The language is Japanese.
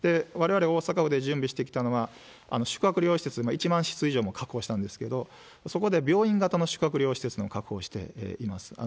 われわれ大阪府で準備してきたのは、宿泊療養施設、１万室以上もう確保したんですけど、そこで病院型の宿泊療養施設の確保をしています。